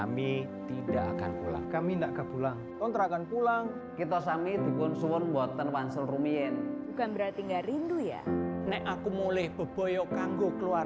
maafin aku yang belum bisa pulang